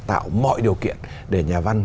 tạo mọi điều kiện để nhà văn